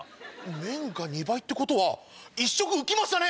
麺が２倍ってことは１食浮きましたね！